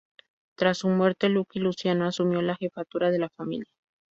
Tras su muerte Lucky Luciano asumió la jefatura de la familia.